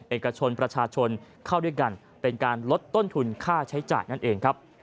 เอกชนประชาชนเข้าด้วยกันเป็นการลดต้นทุนค่าใช้จ่ายนั่นเองครับ